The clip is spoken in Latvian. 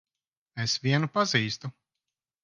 Es vienu pazīstu.